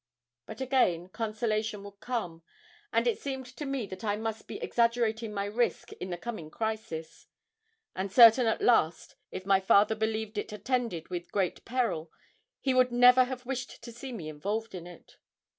But, again, consolation would come, and it seemed to me that I must be exaggerating my risk in the coming crisis; and certain at least, if my father believed it attended with real peril, he would never have wished to see me involved in it.